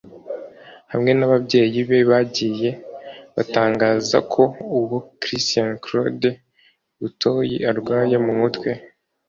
hamwe n’ababyeyi be bagiye batangaza ko uwo Christian Claude Butoyi arwaye mu mutwe